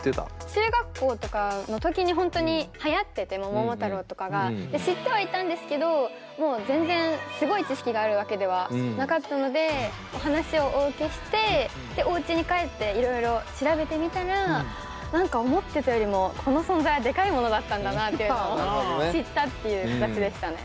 中学校とかの時に本当にはやってて「桃太郎」とかが。知ってはいたんですけどもう全然すごい知識があるわけではなかったのでお話をお受けしておうちに帰っていろいろ調べてみたら何か思ってたよりもこの存在はでかいものだったんだなっていうのを知ったっていう形でしたね。